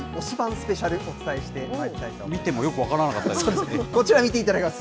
スペシャル、お伝えしてまいりたいと思います。